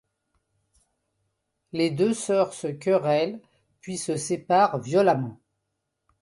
Les deux sœurs se querellent, puis se séparent violemment.